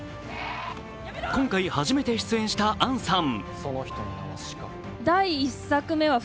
今回初めて出演した杏さん。